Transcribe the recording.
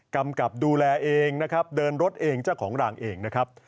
กำกับดูแลเองนะครับเดินรถเองเจ้าของรางเองนะครับ